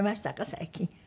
最近。